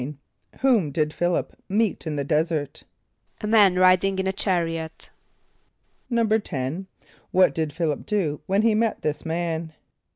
= Whom did Ph[)i]l´[)i]p meet in the desert? =A man riding in a chariot.= =10.= What did Ph[)i]l´[)i]p do when he met this man?